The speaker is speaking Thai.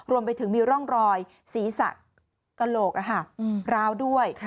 รวมไปถึงมีร่องรอยศีรษะกระโหลกร้าวด้วย